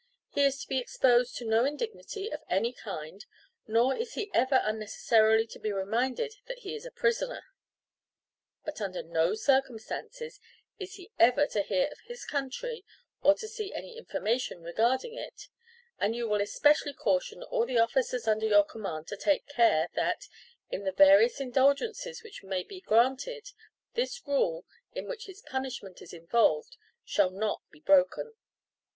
He is to be exposed to no indignity of any kind, nor is he ever unnecessarily to be reminded that he is a prisoner. But under no circumstances is he ever to hear of his country or to see any information regarding it; and you will especially caution all the officers under your command to take care, that, in the various indulgences which may be granted, this rule, in which his punishment is involved, shall not be broken.